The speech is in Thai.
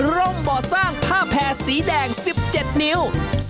บ่อสร้างผ้าแผ่สีแดง๑๗นิ้ว